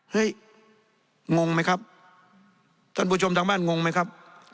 งงไหมครับท่านผู้ชมทางบ้านงงไหมครับ